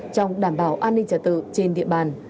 trong đảm bảo an ninh trả tự trên địa bàn